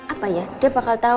apa ya dia bakal tahu